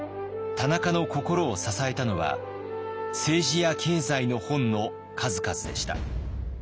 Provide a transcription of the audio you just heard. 田中の心を支えたのは政治や経済の本の数々でした。